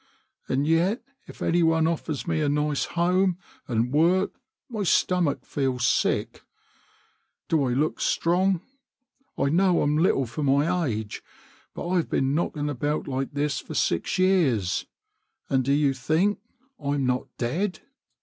And yet if any one offers me a nice home and work my stomach feels sick. Do I look strong? I know I'm little for my age, but I've been knocking about like this for six years, and do you think I'm not dead?